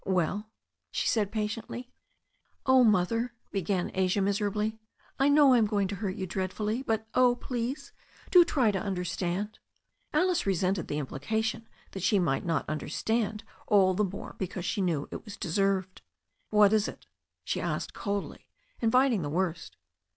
Well?" she said patiently. 'Oh, Mother," began Asia miserably, "I know I'm going to hurt you dreadfully, but, oh, please, do try to under stand." Alice resented the implication that she might not under stand all the more because she knew it was deserved. "What is it?" she asked coldly, inviting the worst.